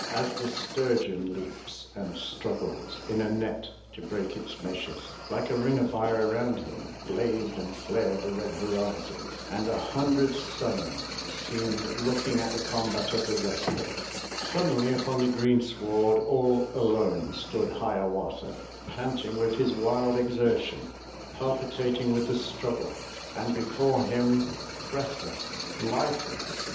As the sturgeon leaps and struggles In a net to break its meshes. Like a ring of fire around him Blazed and flared the red horizon. And a hundred suns seemed looking 387 M Y BOOK HOUSE i ^ MSm '^o^'^f ^^* tr^'r s: At the combat of the wrestlers. Suddenly upon the greensward All alone stood Hiawatha, Panting with his wild exertion, Palpitating with the struggle; And before him, breathless, lifeless.